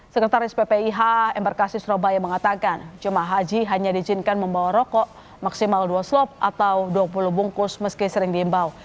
sekretaris ppih embarkasi surabaya mengatakan jemaah haji hanya diizinkan membawa rokok maksimal dua slop atau dua puluh bungkus meski sering diimbau